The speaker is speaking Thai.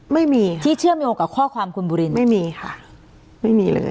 ไม่มีค่ะที่เชื่อมโยงกับข้อความคุณบุรินไม่มีค่ะไม่มีเลย